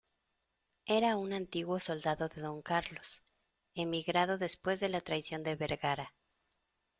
era un antiguo soldado de Don Carlos, emigrado después de la traición de Vergara.